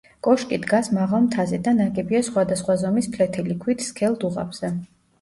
კოშკი დგას მაღალ მთაზე და ნაგებია სხვადასხვა ზომის ფლეთილი ქვით სქელ დუღაბზე.